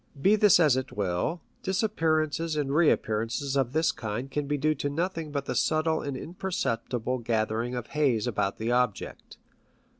Be this as it will, disappearances and reappearances of this kind can be due to nothing but the subtle and imperceptible gathering of haze about the object.